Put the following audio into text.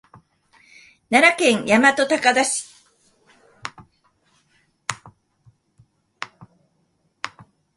奈良県大和高田市